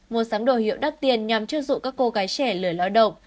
mua sáng đồ hiệu đắt tiền nhằm trước dụ các cô gái trẻ lửa lao độc